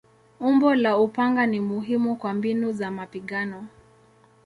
Umbo la upanga ni muhimu kwa mbinu za mapigano.